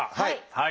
はい。